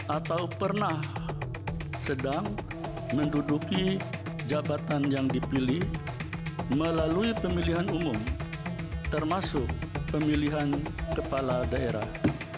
atau pernah sedang menduduki jabatan yang dipilih melalui pemilihan umum termasuk pemilihan kepala daerah